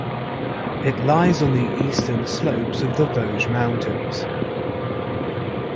It lies on the eastern slopes of the Vosges mountains.